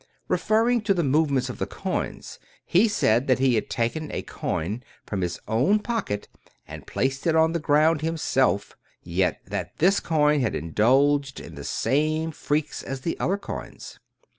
Referring to the movements of the coins, he said that he had taken a coin from his own pocket and placed it on the ground him self, yet that this coin had indulged in the same freaks as the other coins.